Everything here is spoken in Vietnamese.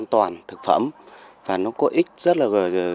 an toàn thực phẩm và nó có ích rất là